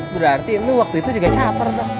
berarti lu waktu itu juga caper dong